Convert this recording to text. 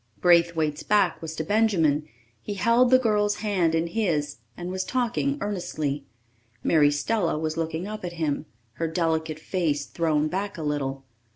Braithwaite's back was to Benjamin; he held the girl's hand in his and was talking earnestly. Mary Stella was looking up at him, her delicate face thrown back a little.